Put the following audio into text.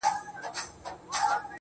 د وجود دا نيمايې برخه چي ستا ده